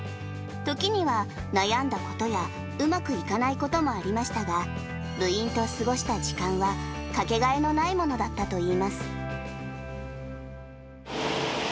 時には悩んだことやうまくいかないこともありましたが、部員と過ごした時間は、掛けがえのないものだったと言います。